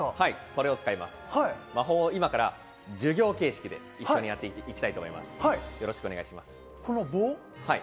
今から魔法を授業形式で一緒にやってきたいと思います。